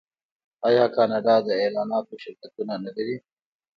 آیا کاناډا د اعلاناتو شرکتونه نلري؟